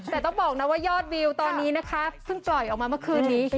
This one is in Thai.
แต่ต้องบอกนะว่ายอดวิวตอนนี้นะคะเพิ่งปล่อยออกมาเมื่อคืนนี้